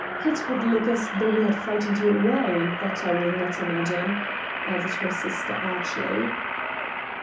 "It would look as though we had frightened you away, and that I will not imagine," added her sister archly.